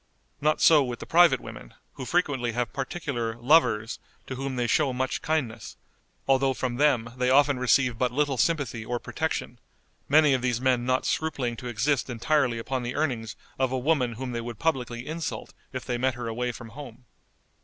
Not so with the private women, who frequently have particular "lovers" to whom they show much kindness, although from them they often receive but little sympathy or protection, many of these men not scrupling to exist entirely upon the earnings of a woman whom they would publicly insult if they met her away from home.